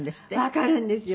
わかるんですよ。